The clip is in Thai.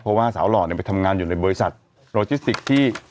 เพราะว่าสาวหล่อไปทำงานอยู่ในบริษัทโลจิสติกที่